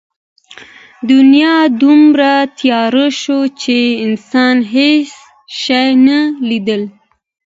دنیا دومره تیاره شوه چې انسان هېڅ شی نه لیدل.